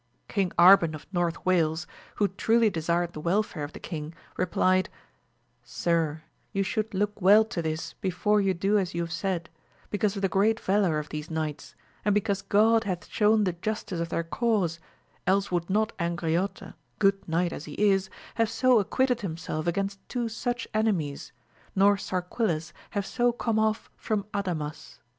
Kitig Arban of North Wales, who truly desired the welfare of the king, re plied, Sir, you should look well to this before you do as you have said, because of the great valour of these knights, and because God hath shown the justice of their cause, else would not Angriote, good knight as he is, have so acquitted himself against two su<;h enemies, nor Sarquiles have so come off from Adamas.